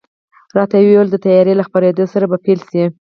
راته وې ویل، د تیارې له خپرېدا سره به پیل شي.